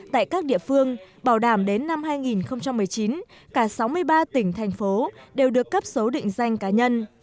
tại các địa phương bảo đảm đến năm hai nghìn một mươi chín cả sáu mươi ba tỉnh thành phố đều được cấp số định danh cá nhân